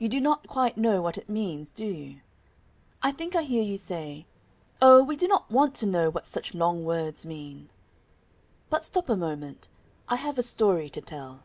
You do not quite know what it means, do you? I think I hear you say, "Oh, we do not want to know what such long words mean." But stop a moment, I have a story to tell.